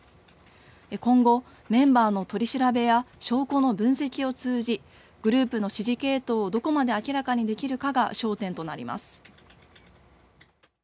今後、メンバーの取り調べや証拠の分析を通じグループの指示系統をどこまで明らかにできるかが焦点となります。